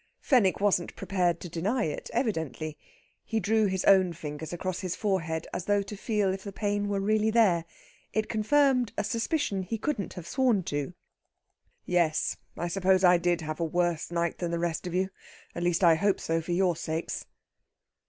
Fenwick wasn't prepared to deny it evidently. He drew his own fingers across his forehead, as though to feel if the pain were really there. It confirmed a suspicion he couldn't have sworn to. "Yes; I suppose I did have a worse night than the rest of you. At least, I hope so, for your sakes."